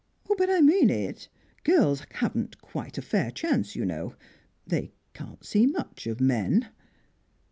"But I mean it. Girls haven't quite a fair chance, you know. They can't see much of men."